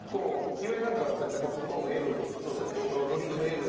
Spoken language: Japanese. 岩井は絶対ポップコーンＬとドリンクのＬ。